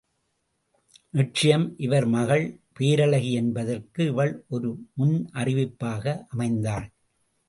நிச்சயம் இவர் மகள் பேரழகி என்பதற்கு இவள் ஒரு முன்னறிவிப்பாக அமைந்தாள்.